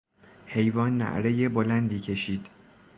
حیوان نعرهی بلندی کشید.